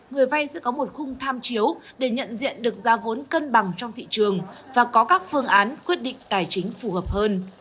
người vay sẽ có một khung tham chiếu để nhận diện được giá vốn cân bằng trong thị trường và có các phương án quyết định tài chính phù hợp hơn